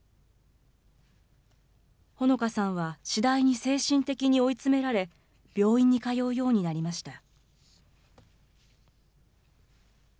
ほのかさんはしだいに精神的に追い詰められ、病院に通うようになりました。